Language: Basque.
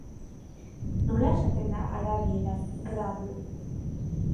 Nola esaten da arabieraz "gradu"?